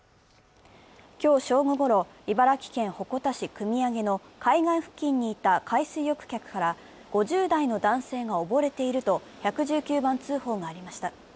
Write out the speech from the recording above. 今日正午ごろ、茨城県鉾田市汲上の海岸付近にいた海水浴客から５０代の男性が溺れていると１１９番通報がありました。